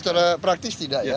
secara praktis tidak ya